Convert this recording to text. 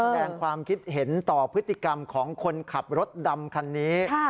แสดงความคิดเห็นต่อพฤติกรรมของคนขับรถดำคันนี้